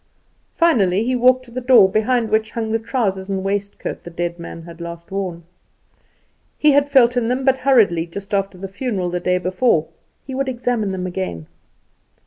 Finally he walked to the door, behind which hung the trousers and waistcoat the dead man had last worn. He had felt in them, but hurriedly, just after the funeral the day before; he would examine them again.